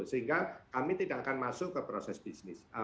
sehingga kami tidak akan masuk ke proses bisnis